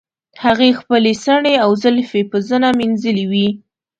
هغې خپلې څڼې او زلفې په زنه مینځلې وې.